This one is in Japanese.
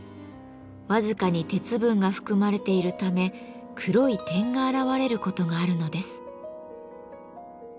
僅かに鉄分が含まれているため黒い点が現れることがあるのです。